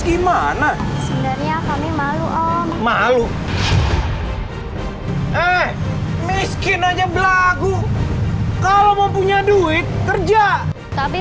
gimana sebenarnya kami malu ah malu eh miskin aja belagu kalau mau punya duit kerja tapi